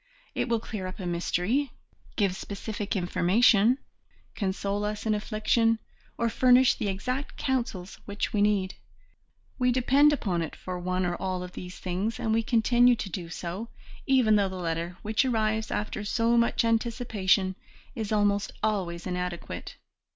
It will clear up a mystery, give specific information, console us in affliction, or furnish the exact counsels which we need; we depend upon it for one or all of these things, and we continue to do so, even though the letter which arrives after so much anticipation is almost always inadequate.